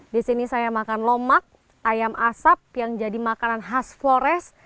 di sini saya makan lomak ayam asap yang jadi makanan khas flores